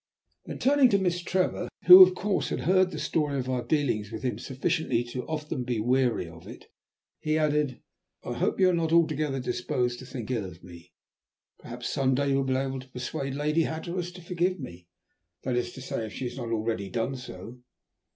Then, turning to Miss Trevor, who of course had heard the story of our dealings with him sufficiently often to be weary of it, he added, "I hope you are not altogether disposed to think ill of me. Perhaps some day you will be able to persuade Lady Hatteras to forgive me, that is to say if she has not already done so.